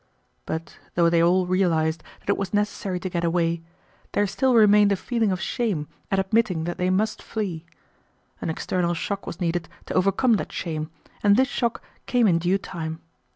But though they all realized that it was necessary to get away, there still remained a feeling of shame at admitting that they must flee. An external shock was needed to overcome that shame, and this shock came in due time.